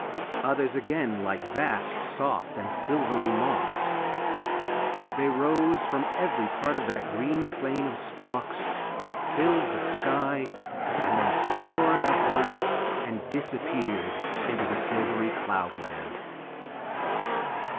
Others again like vast soft and silvery moths. They rose from every part of that green plain of stalks, they filled the sky, and then soared upwards and disappeared into the silvery cloudland.